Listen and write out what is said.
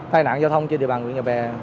tài nạn giao thông trên địa bàn hủy nhà bè